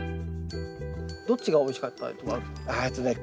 どっちがおいしかったりとかあるんですか？